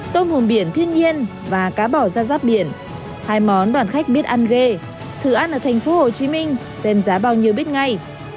tôm hùm biển thiên nhiên và cá bỏ ra giáp biển hai món đoàn khách biết ăn ghê thử ăn ở tp hcm xem giá bao nhiêu biết ngay